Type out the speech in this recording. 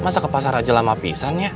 masa ke pasar aja lama pisangnya